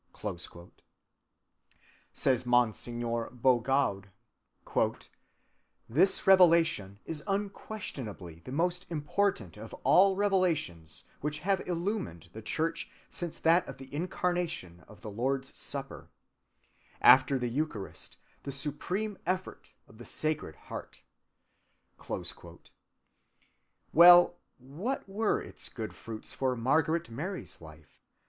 "This revelation," says Mgr. Bougaud, "is unquestionably the most important of all the revelations which have illumined the Church since that of the Incarnation and of the Lord's Supper.... After the Eucharist, the supreme effort of the Sacred Heart."(202) Well, what were its good fruits for Margaret Mary's life?